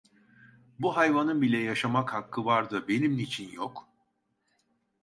Bu hayvanın bile yaşamak hakkı var da benim niçin yok?